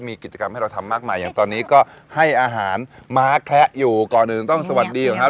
มีกิจกรรมให้เราทำมากใหม่อย่างตอนนี้ก็ให้อาหารม้าแคระอยู่ก่อนหนึ่งต้องสวัสดีแล้วครับ